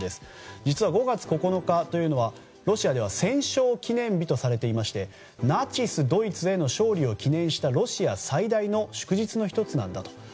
実は５月９日というのはロシアでは戦勝記念日とされていましてナチスドイツへの勝利を記念したロシア最大の祝日の１つなんだと。